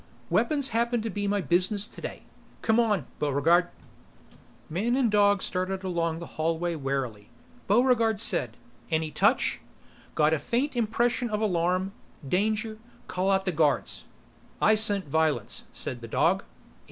Weapons happen to be my business today. Come on, Buregarde." Man and dog started along the hallway warily. Buregarde said, "Any touch?" "Got a faint impression of alarm, danger, call out the guards." "I scent violence," said the dog.